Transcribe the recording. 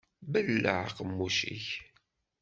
Belleɛ aqemmuc-ik.